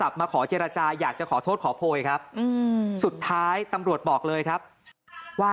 แต่ว่าแม่คุณแหล่นใจแน่ใจแจกกล้วยแจกของรับแบบนี้